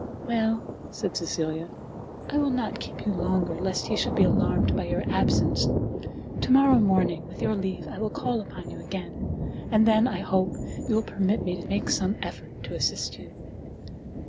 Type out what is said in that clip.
"Well," said Cecilia, "I will not keep you longer, lest he should be alarmed by your absence. To morrow morning, with your leave, I will call upon you again, and then, I hope, you will permit me to make some effort to assist you."